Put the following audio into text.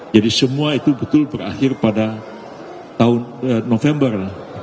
jadi semua itu betul berakhir pada tahun november dua ribu dua puluh tiga